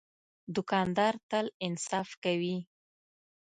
دوکاندار تل انصاف کوي.